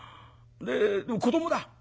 でも子どもだ。